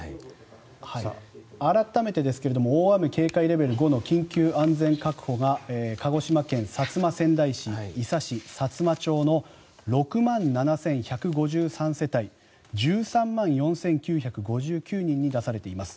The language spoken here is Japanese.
改めてですが大雨警戒レベル５の緊急安全確保が鹿児島県薩摩川内市、伊佐市さつま町の６万７１３５世帯１３万４９５９人に出されています。